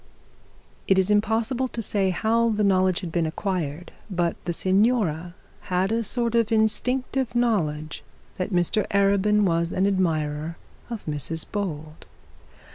It is impossible to say how the knowledge had been acquired, but the signora had a sort of instinctive knowledge that Mr Arabin was an admirer of Mrs Bold.